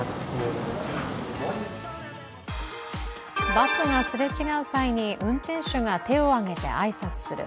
バスがすれ違う際に運転手が手を上げて挨拶する。